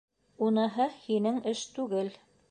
— Уныһы һинең эш түгел!